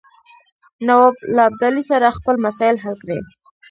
نواب له ابدالي سره خپل مسایل حل کړي.